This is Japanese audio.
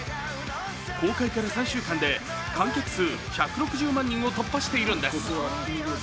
公開から３週間で観客数１６０万人を突破しているんです。